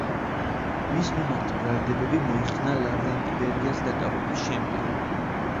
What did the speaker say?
მის მიმართ ბრალდებები მოიხსნა ლავრენტი ბერიას დაკავების შემდეგ.